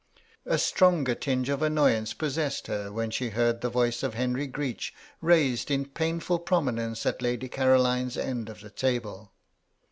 A stronger tinge of annoyance possessed her when she heard the voice of Henry Greech raised in painful prominence at Lady Caroline's end of the table.